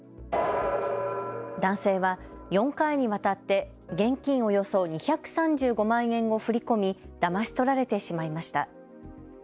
男性は４回にわたって現金およそ２３５万円を振り込みだまし取られてしまいました。